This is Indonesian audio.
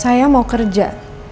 saya mau kerja